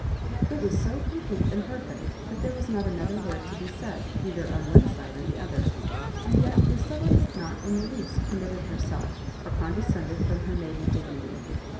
It was so complete and perfect that there was not another word to be said either on one side or the other ; and yet Lucilla had not in the least committed herself, or condescended from her maiden digni ty.